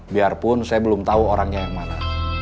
biarpun saya belum tahu orangnya yang mana